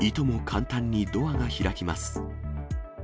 簡単にドアが開きます。